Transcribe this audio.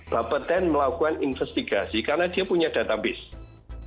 bapak ten melakukan investigasi karena dia punya database